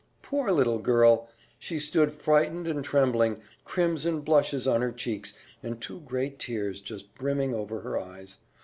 Poor little girl! She stood frightened and trembling, crimson blushes on her cheeks, and two great tears just brimming over her eyes.